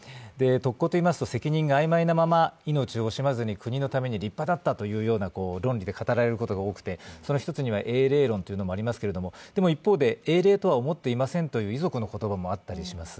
特攻といいますと、責任があいまいなまま、命を惜しまず国のために立派だったという論理で語られることがあってその一つには英霊論というのもありますけれども、でも一方で、英霊とは思っていませんという遺族の言葉もあったりします。